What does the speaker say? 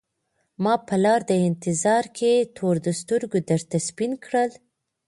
ما په لار د انتظار کي تور د سترګو درته سپین کړل